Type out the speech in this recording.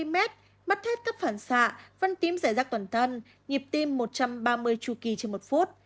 mắt hết cấp phản xạ phân tím rải rác toàn thân nhịp tim một trăm ba mươi chu kỳ trên một phút